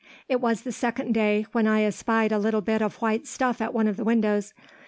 It was the second day, when I espied a little bit of white stuff at one of the windows.